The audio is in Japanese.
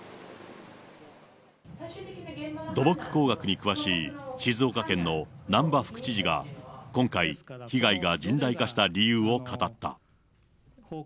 土木工学に詳しい静岡県の難波副知事が、今回、被害が甚大化した理由を語った。